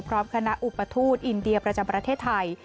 พร้อมคณะอุปทูตอินเดียประจำประเทศไทย